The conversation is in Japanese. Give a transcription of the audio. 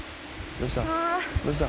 どうした？